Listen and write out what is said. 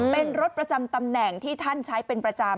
เป็นรถประจำตำแหน่งที่ท่านใช้เป็นประจำ